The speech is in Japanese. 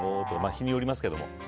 日によりますけど。